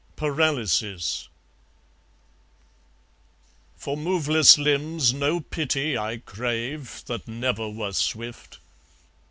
Paralysis For moveless limbs no pity I crave, That never were swift!